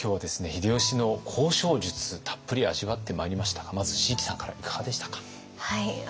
秀吉の交渉術たっぷり味わってまいりましたがまず椎木さんからいかがでしたか？